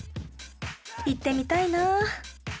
行ってみたいな